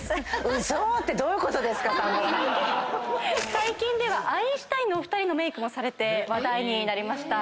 最近ではアインシュタインのお二人のメイクもされて話題になりました。